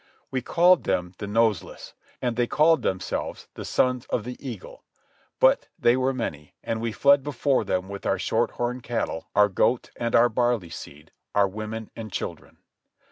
We called them the Noseless, and they called themselves the Sons of the Eagle. But they were many, and we fled before them with our shorthorn cattle, our goats, and our barleyseed, our women and children.